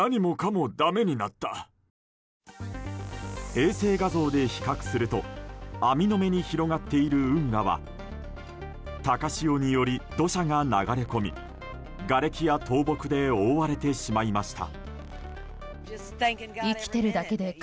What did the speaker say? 衛星画像で比較すると網の目に広がっている運河は高潮により土砂が流れ込みがれきや倒木で覆われてしまいました。